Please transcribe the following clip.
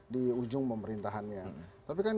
di ujung pemerintahannya tapi kan